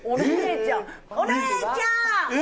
お姉ちゃん。